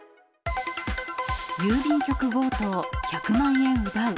郵便局強盗、１００万円奪う。